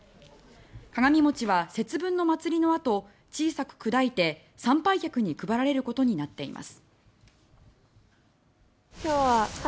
鏡餅は節分の祭りのあと小さく砕いて参拝客に配られることになっています。